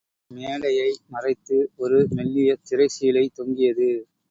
மேடையை மறைத்து ஒரு மெல்லிய திரைச்சீலை தொங்கியது.